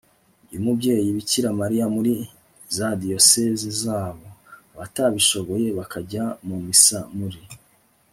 y'umubyeyi bikira mariya muri za diyosezi zabo, abatabishoboye bakajya mu missa muri